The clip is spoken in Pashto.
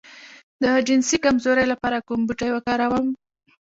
د جنسي کمزوری لپاره کوم بوټی وکاروم؟